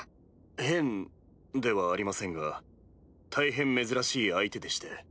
変ではありませんが大変珍しい相手でして。